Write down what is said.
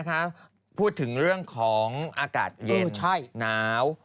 มาดูเรื่องดินฟ้าอากาศกันดีกว่า